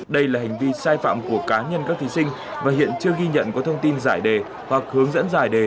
đây là hành vi sai phạm của cá nhân các thí sinh và hiện chưa ghi nhận có thông tin giải đề hoặc hướng dẫn giải đề